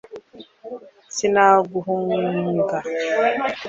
Sinahunga